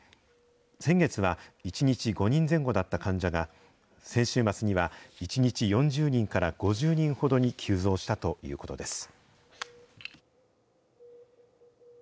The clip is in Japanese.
先月は１日５人前後だった患者が、先週末には１日４０人から５０人ほどに急増したということです。